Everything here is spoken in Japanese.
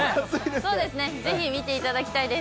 そうですね、ぜひ見ていただきたいです。